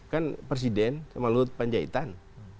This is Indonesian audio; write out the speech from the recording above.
kan presiden sama luhut panjaitan